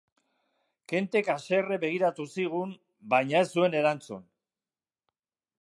Kentek haserre begiratu zigun, baina ez zuen erantzun.